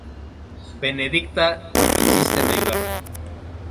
Benedicta insiste en ayudarle.